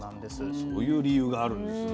そういう理由があるんですね。